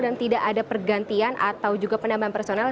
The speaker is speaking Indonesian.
dan tidak ada pergantian atau juga penambahan personel